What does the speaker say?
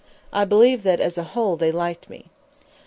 I believe that, as a whole, they liked me.